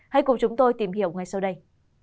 hãy cùng chúng tôi tìm hiểu ngay sau đây